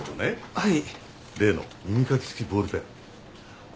はい？